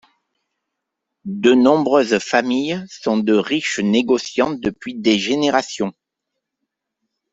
De nombreuses familles sont de riches négociants depuis des générations.